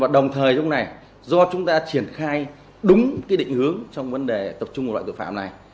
đồng thời do chúng ta triển khai đúng định hướng trong vấn đề tập trung vào loại tội phạm này